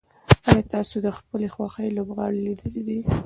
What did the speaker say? ایا تاسي د خپلې خوښې لوبغاړی لیدلی دی؟